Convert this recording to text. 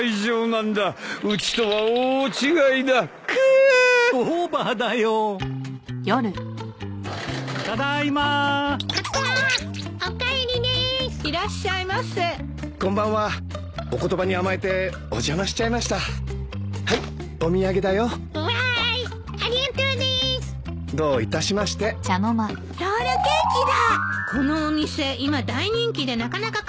このお店今大人気でなかなか買えないのよ。